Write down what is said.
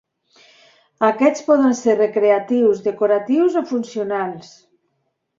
Aquests poden ser recreatius, decoratius o funcionals.